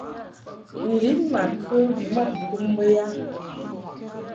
N-lin ma kə bimɔʼ ntum bə ya ?